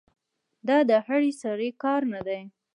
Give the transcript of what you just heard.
دا د هر سړي کار نه دی.